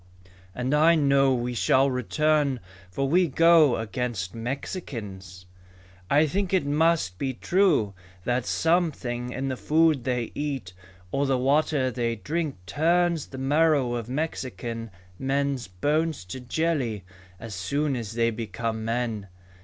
"And I know we shall return for we go against Mexicans. "I think it must be true that something in the food they eat or the water they drink turns the marrow of Mexican men's bones to jelly as soon as they become men.